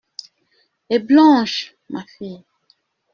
Et Blanche… ma fille ?…